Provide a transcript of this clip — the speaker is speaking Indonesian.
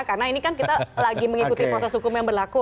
karena ini kan kita lagi mengikuti proses hukum yang berlaku